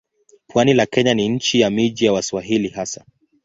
Pwani la Kenya ni nchi ya miji ya Waswahili hasa.